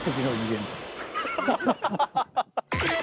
ハハハ。